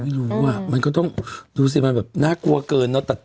อ่ะมันก็ต้องดูสิมันแบบน่ากลัวเกินเนอะ